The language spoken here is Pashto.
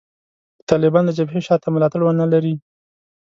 که طالبان د جبهې شا ته ملاتړي ونه لري